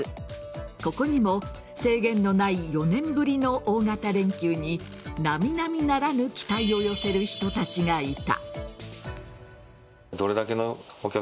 ここにも制限のない４年ぶりの大型連休に並々ならぬ期待を寄せる人たちがいた。